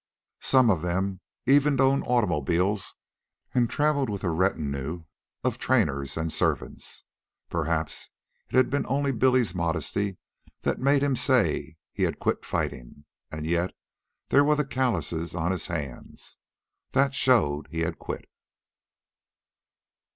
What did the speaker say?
Some of them even owned automobiles and traveled with a retinue of trainers and servants. Perhaps it had been only Billy's modesty that made him say he had quit fighting. And yet, there were the callouses on his hands. That showed he had quit.